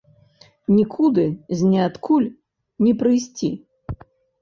Нікуды з ніадкуль не прыйсці.